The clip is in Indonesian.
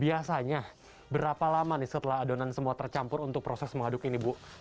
biasanya berapa lama nih setelah adonan semua tercampur untuk proses mengaduk ini bu